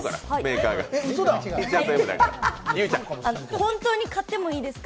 本当に買ってもいいですか？